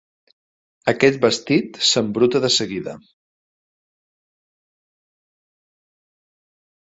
Aquest vestit s'embruta de seguida.